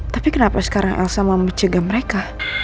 tapi kenapa sekarang elsa mau mencegah mereka